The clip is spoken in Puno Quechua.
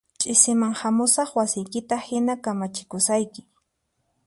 Ch'isiman hamusaq wasiykita hina kamachikusayki